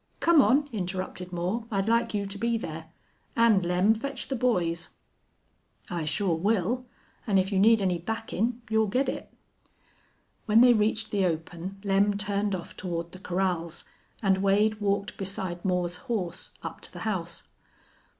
Come on," interrupted Moore. "I'd like you to be there. And, Lem, fetch the boys." "I shore will, an' if you need any backin' you'll git it." When they reached the open Lem turned off toward the corrals, and Wade walked beside Moore's horse up to the house.